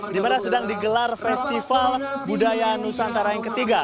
dimana sedang digelar festival budaya nusantara iii